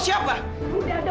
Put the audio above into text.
ini ada anak kecil